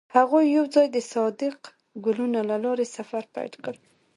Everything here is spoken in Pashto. هغوی یوځای د صادق ګلونه له لارې سفر پیل کړ.